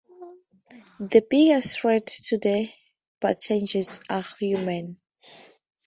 The biggest threat to the bantengs are humans.